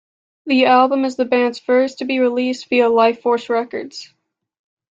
The album is the band's first to be released via Lifeforce Records.